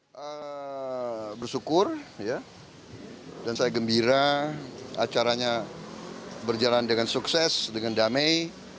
saya bersyukur dan saya gembira acaranya berjalan dengan sukses dengan damai